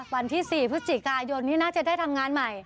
วันที่๔พฤศจิกายนนี้น่าจะได้ทำงานใหม่